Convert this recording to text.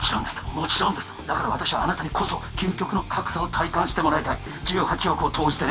もちろんですだから私はあなたにこそ究極の格差を体感してもらいたい１８億を投じてね